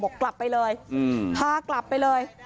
บอกกลับไปเลยพากลับไปเลย